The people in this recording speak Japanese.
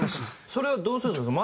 それはどうするんですか？